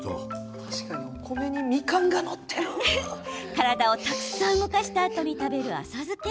体をたくさん動かしたあとに食べるあさづけ。